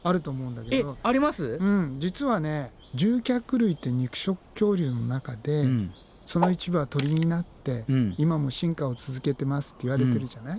うん実は獣脚類って肉食恐竜の中でその一部は鳥になって今も進化を続けてますって言われてるじゃない。